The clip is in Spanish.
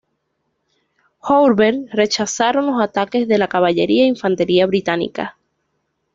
Joubert, rechazaron los ataques de la caballería e infantería británicas.